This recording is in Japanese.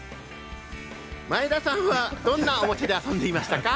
前田さんはどんなおもちゃで遊んでいましたか？